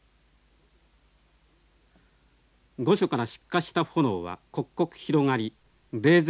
御所から出火した炎は刻々広がり冷泉